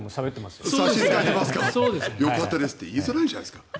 よかったですって言いづらいじゃないですか。